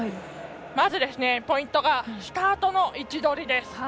まず、ポイントがスタートの位置取りです。